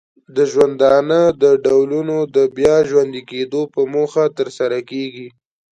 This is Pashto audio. د ژوندانه د ډولونو د بیا ژوندې کیدو په موخه ترسره کیږي.